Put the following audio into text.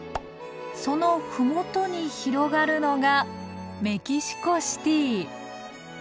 その麓に広がるのがメキシコシティ！